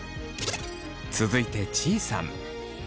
続いてちいさん。